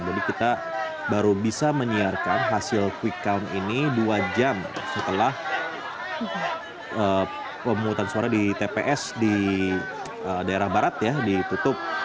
jadi kita baru bisa menyiarkan hasil quick count ini dua jam setelah pemutaran suara di tps di daerah barat ya ditutup